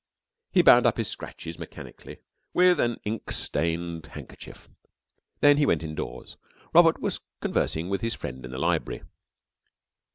He bound up his scratches mechanically with an ink stained handkerchief. Then he went indoors. Robert was conversing with his friend in the library.